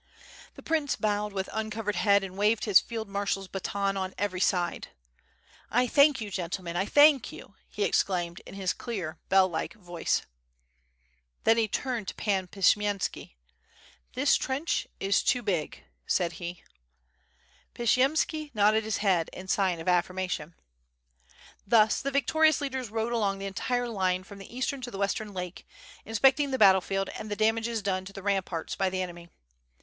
The prince bowed with uncovered head and waved his field marshaFs baton on every side. "1 thank you, gentlemen, I thank you!" he exclaimed in his clear, bell like voice. Then he turned to Pan Pshiyemski: "This trench is too big," said he. Pshiyemski nodded his head in sign of affirmation. Thus the victorious leaders rode along the entire line from the eastern to the western lake, inspecting the battle field and the damages done to the ramparts by the enemy.